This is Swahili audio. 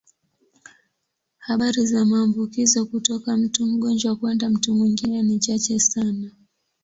Habari za maambukizo kutoka mtu mgonjwa kwenda mtu mwingine ni chache sana.